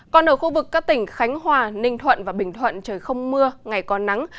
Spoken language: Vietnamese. còn ở khu vực các tỉnh khánh hòa ninh thuận và bình thuận trời không mưa ngày có nắng